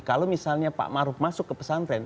kalau misalnya pak maruf masuk ke pesantren